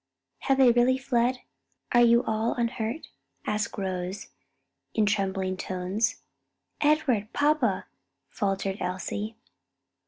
"Have they really fled? Are you all unhurt?" asked Rose in trembling tones. "Edward! papa!" faltered Elsie.